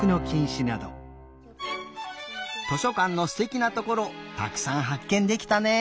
図書かんのすてきなところたくさんはっけんできたね。